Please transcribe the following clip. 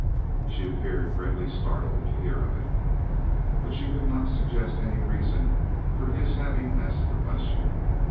She appeared greatly startled to hear of it. But she could not suggest any reason for his having asked the question.